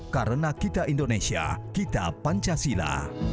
karena kita indonesia kita pancasila